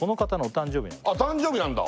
誕生日なんだ